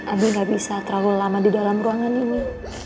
abis nggak bisa terlalu lama di dalam ruangan ini